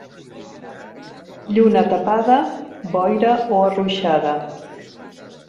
Lluna tapada, boira o arruixada.